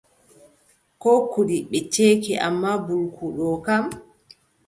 Koo kuɗi ɓe ceeki ammaa mbulku ɗoo kam,